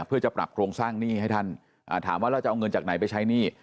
เพื่อจะปรับโครงสร้างหนี้ให้ท่านถามว่าแล้วจะเอาเงินจากไหนไปใช้หนี้